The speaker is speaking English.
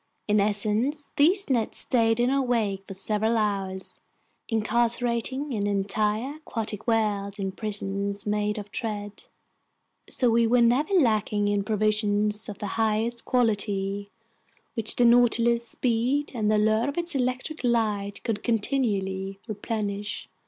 In essence, these nets stayed in our wake for several hours, incarcerating an entire aquatic world in prisons made of thread. So we were never lacking in provisions of the highest quality, which the Nautilus's speed and the allure of its electric light could continually replenish.